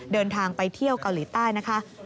เดินทางไปเที่ยวเกาหลีใต้นะคะ